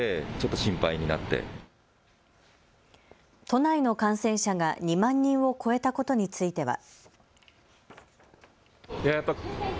都内の感染者が２万人を超えたことについては。